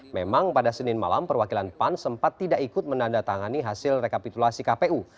memang pada senin malam perwakilan pan sempat tidak ikut menandatangani hasil rekapitulasi kpu